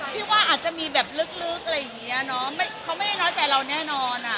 พี่ว่าอาจจะมีแบบลึกอะไรอย่างเงี้ยเนอะเขาไม่ได้น้อยใจเราแน่นอนอ่ะ